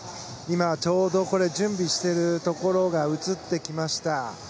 ちょうど準備しているところが映ってきました。